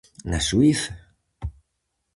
Na Suíza?